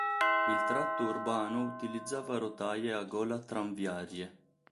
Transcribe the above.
Il tratto urbano utilizzava rotaie a gola tranviarie.